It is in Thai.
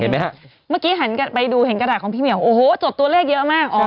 เมื่อกี้หันไปดูเห็นกระดาษของพี่เหมียวโอ้โหจดตัวเลขเยอะมาก